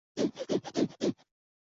是该组海山炼中最西端的海底山。